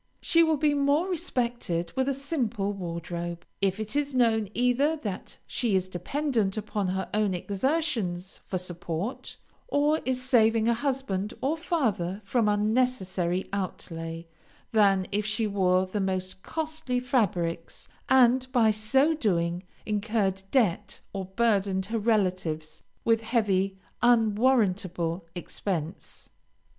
She will be more respected with a simple wardrobe, if it is known either that she is dependent upon her own exertions for support, or is saving a husband or father from unnecessary outlay, than if she wore the most costly fabrics, and by so doing incurred debt or burdened her relatives with heavy, unwarrantable expense.